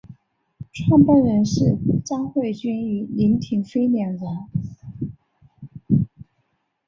创办人是詹慧君与林庭妃两人。